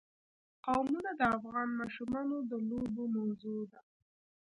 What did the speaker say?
قومونه د افغان ماشومانو د لوبو موضوع ده.